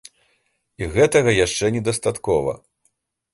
І гэтага яшчэ недастаткова!